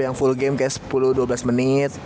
yang full game kayak sepuluh dua belas menit